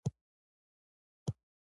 • لمر د ژوند او هستۍ لوی عامل و.